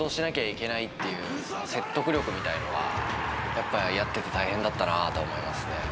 やっぱやってて大変だったなと思いますね。